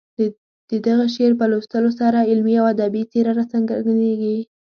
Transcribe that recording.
د دغه شعر په لوستلو سره علمي او ادبي څېره راڅرګندېږي.